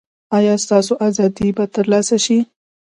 ایا ستاسو ازادي به ترلاسه شي؟